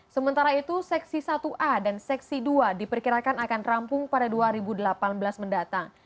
sementara itu seksi satu a dan seksi dua diperkirakan akan rampung pada dua ribu delapan belas mendatang